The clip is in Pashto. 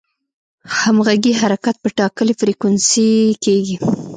همغږي حرکت په ټاکلې فریکونسي کېږي.